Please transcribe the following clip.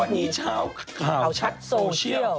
วันนี้เช้าข่าวชัดโซเชียล